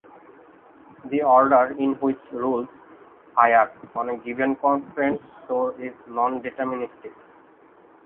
The order in which rules "fire" on a given constraint store is non-deterministic.